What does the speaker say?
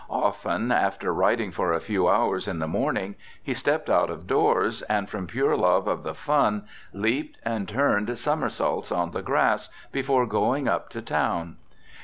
Often, after writing for a few hours in the morning, he stepped out of doors, and, from pure love of the fun, leaped and turned summersaults on the grass, before going up to town.